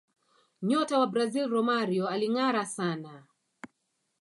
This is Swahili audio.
nyota wa brazil romario alingara sana